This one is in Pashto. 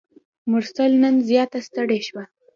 مرسل نن زیاته ستړي شوه.